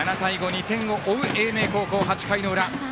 ２点を追う英明高校８回の裏。